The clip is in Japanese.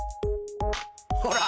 ほら。